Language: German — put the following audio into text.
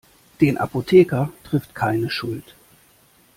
Den Apotheker trifft keine Schuld.